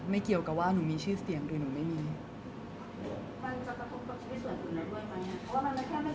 ไม่เกี่ยวกับว่าหนูมีชื่อเสียงหรือหนูไม่มี